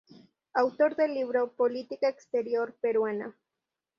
Autor del libro "Política Exterior Peruana.